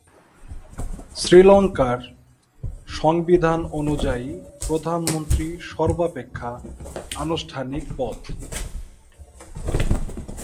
শ্রীলঙ্কার সংবিধান অনুযায়ী প্রধানমন্ত্রী সর্বাপেক্ষা আনুষ্ঠানিক পদ।